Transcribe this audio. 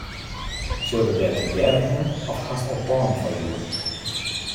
Sille we dêr tegearre hinne of hast al plannen foar hjoed?